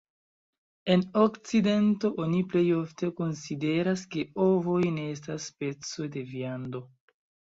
En okcidento oni plej ofte konsideras ke ovoj ne estas speco de viando.